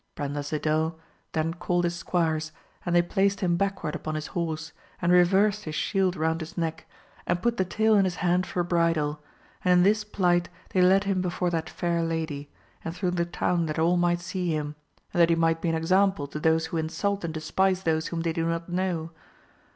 Brandasidel then called his squires and they placed him backward upon his horse, and reversed his shield round his neck, and put the tail in his hand for a bridle, and in this plight they led him before that fair lady, and through the town that all might see him, and that he might be an example to those who insult and despise those whom they do not know.